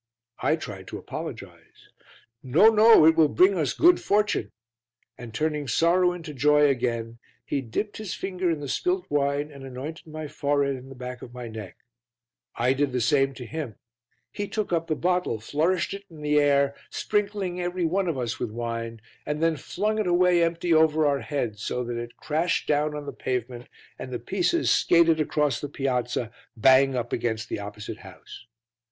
I tried to apologize. "No, no, it will bring us good fortune," and turning sorrow into joy again, he dipped his finger in the spilt wine and anointed my forehead and the back of my neck; I did the same to him; he took up the bottle, flourished it in the air, sprinkling every one of us with wine, and then flung it away empty over our heads, so that it crashed down on the pavement and the pieces skated across the piazza, bang up against the opposite house.